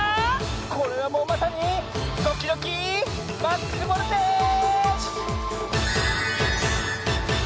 これはもうまさにドキドキマックスボルテージ！